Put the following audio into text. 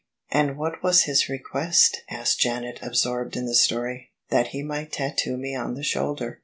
"And what was his request?" asked Janet, absorbed in the story. " That he might tattoo me on the shoulder.